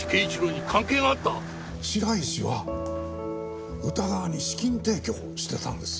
白石は宇田川に資金提供をしてたんです。